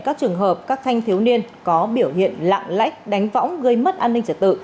các trường hợp các thanh thiếu niên có biểu hiện lạng lách đánh võng gây mất an ninh trật tự